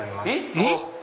えっ！